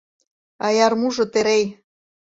Аярмужо Терей!